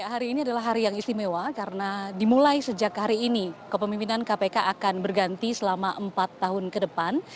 hari ini adalah hari yang istimewa karena dimulai sejak hari ini kepemimpinan kpk akan berganti selama empat tahun ke depan